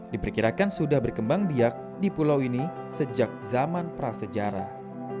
diperkirakan sudah berkembang biak di pulau ini sejak zaman prasejarah